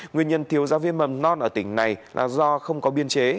nguyên nhân thiếu giáo viên mầm non ở tỉnh này là do không có biên chế